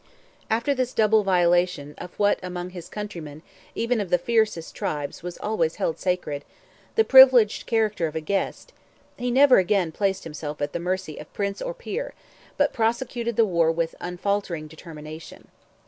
After this double violation of what among his countrymen, even of the fiercest tribes, was always held sacred, the privileged character of a guest, he never again placed himself at the mercy of prince or peer, but prosecuted the war with unfaltering determination.